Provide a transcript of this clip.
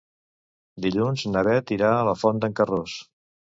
Dilluns na Beth irà a la Font d'en Carròs.